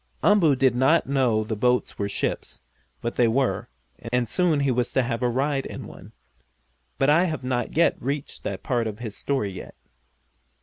Umboo did not know the boats were ships, but they were, and soon he was to have a ride in one. But I have not reached that part of his story yet.